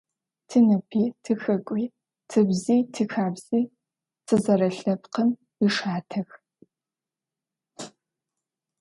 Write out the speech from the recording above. Тиныпи, тихэкуи, тыбзи, тихабзи тызэрэлъэпкъым ишыхьатых.